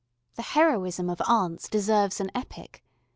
The heroism of aunts deserves an epic.